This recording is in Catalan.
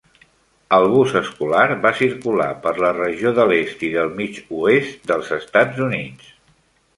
El bus escolar va circular per la regió de l"est i del mig oest dels Estats Units.